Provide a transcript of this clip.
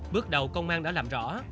bước đầu công an đã làm rõ